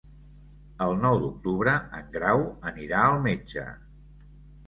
El nou d'octubre en Grau anirà al metge.